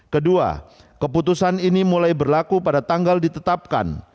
kedua keputusan ini mulai berlaku pada tanggal ditetapkan